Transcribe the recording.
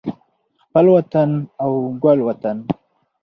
خپل وطن او ګل وطن